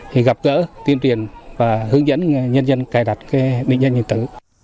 thì gặp gỡ tiên truyền và hướng dẫn nhân dân cài đặt định dân nhân tử